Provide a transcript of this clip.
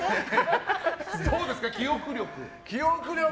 どうですか、記憶力は。